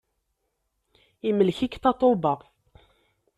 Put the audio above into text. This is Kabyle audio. Yemlek-ik Tatoeba.